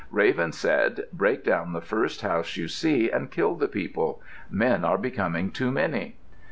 Raven said, "Break down the first house you see and kill the people. Men are becoming too many."